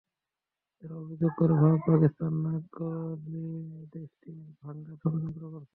তারা অভিযোগ করে, ভারত পাকিস্তানে নাক গলিয়ে দেশটি ভাঙার ষড়যন্ত্র করছে।